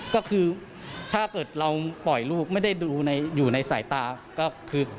ก็คือถ้าเกิดเราปล่อยลูกไม่ได้ดูอยู่ในสายตาก็คือ